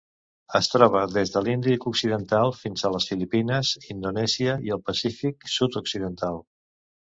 Es troba des de l'Índic occidental fins a les Filipines, Indonèsia i el Pacífic sud-occidental.